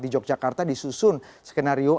di yogyakarta disusun skenario